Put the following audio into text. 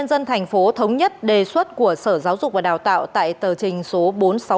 ubnd tp thống nhất đề xuất của sở giáo dục và đào tạo tại tờ trình số bốn trăm sáu mươi bảy